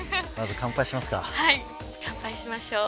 乾杯しましょう。